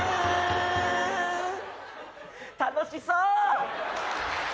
楽しそう。